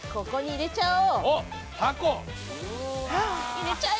入れちゃえ！